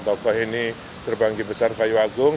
bapak heni terbanggi besar kayu agung